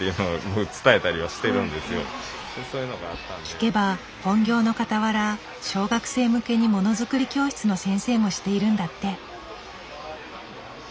聞けば本業のかたわら小学生向けにものづくり教室の先生もしているんだって。